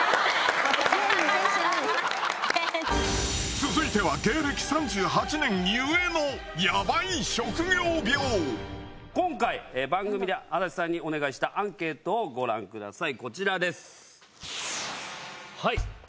続いては芸歴３８年故の今回番組で安達さんにお願いしたアンケートをご覧ください。